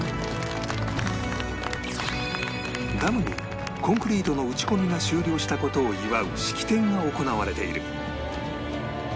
ダムにコンクリートの打ち込みが終了した事を祝う式典が行われている